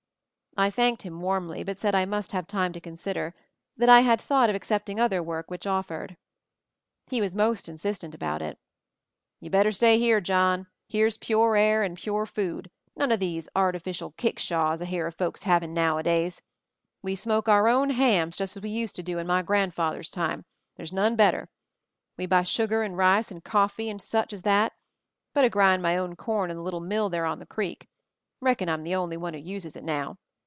I thanked him warmly, but said I must have time to consider — that I had thought of accepting other work which offered. He was most insistent about it. "You better stay here, John. Here's pure air and pure food — none of these artificial kickshaws I hear of folks havin' nowadays. We smoke our own hams just as we used to do in my grandfather's time — there's none better. We buy sugar and rice and coffee and such as that; but I grind my own corn in the little mill there on the creek — reckon I'm the only one who uses it now.